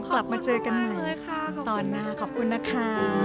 กลับมาเจอกันใหม่ตอนหน้าขอบคุณนะคะ